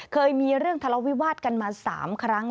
เคยมีเรื่องทะเลาวิวาสกันมา๓ครั้ง